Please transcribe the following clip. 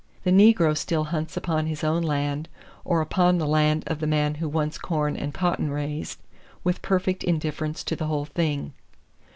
The negro still hunts upon his own land or upon the land of the man who wants corn and cotton raised, with perfect indifference to the whole thing.